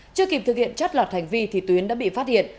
chưa kịp thực hiện chất loạt hành vi thị tuyến đã bị phát hiện